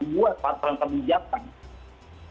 buat pateran kebijakan